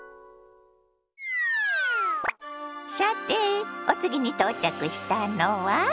さてお次に到着したのは？